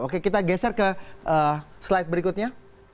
oke kita geser ke slide berikutnya